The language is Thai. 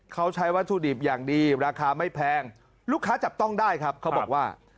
เขาใช้วัตถุดิบอย่างดีราคาไม่แพงลูกค้าจับต้องได้ครับเขาบอกว่า